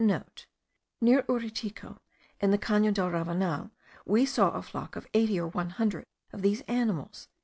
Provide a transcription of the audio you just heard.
(* Near Uritucu, in the Cano del Ravanal, we saw a flock of eighty or one hundred of these animals.)